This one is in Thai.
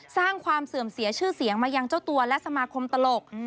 สร้างความเสื่อมเสียชื่อเสียงมายังเจ้าตัวและสมาคมตลก